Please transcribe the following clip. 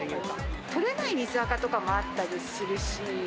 取れない水垢とかもあったりするし。